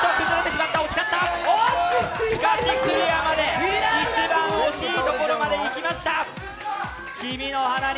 しかしクリアまで一番惜しいところまでいきました。